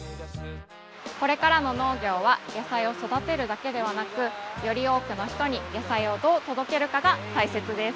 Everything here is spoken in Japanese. これからの農業は野菜を育てるだけではなくより多くの人に野菜をどう届けるかがたいせつです。